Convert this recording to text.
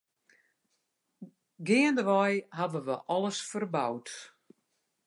Geandewei ha we alles ferboud.